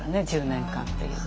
１０年間っていう。